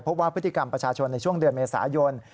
พบว่าพฤติกรรมประชาชนในช่วงเดือนเมษายน